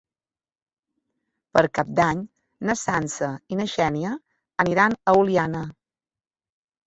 Per Cap d'Any na Sança i na Xènia aniran a Oliana.